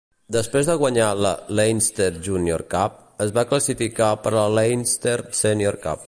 Després de guanyar la Leinster Junior Cup, es van classificar per a la Leinster Senior Cup.